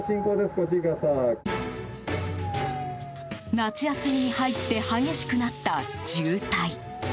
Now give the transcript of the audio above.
夏休みに入って激しくなった渋滞。